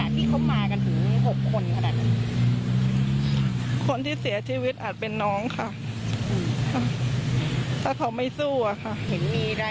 แล้วก็ความว่าถ้าหากฝั่งนี้เสียชีวิต๒คนฝั่งนี้ต้องแลกด้วยชีวิตอะไรประมาณนี้ค่ะ